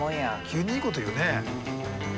急にいいこと言うね。